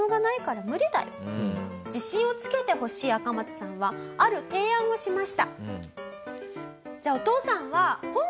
自信をつけてほしいアカマツさんはある提案をしました。